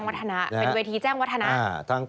เป็นวัยที่แจ้งวัฒนา